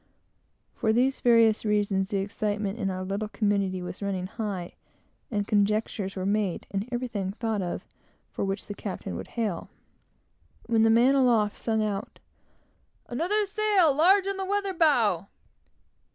For these various reasons, the excitement in our little community was running high, and conjectures were made, and everything thought of for which the captain would hail, when the man aloft sung out "Another sail, large on the weather bow!"